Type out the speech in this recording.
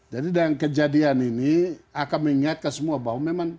jadi dalam kejadian ini akam ingat ke semua bahwa memang